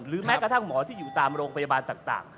แม้กระทั่งหมอที่อยู่ตามโรงพยาบาลต่าง